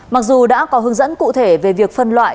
mặc dù đã có hướng dẫn cụ thể về việc phân loại